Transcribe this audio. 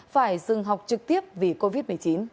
phải dừng học trực tiếp vì covid một mươi chín